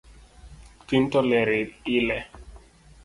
Tin to ler ile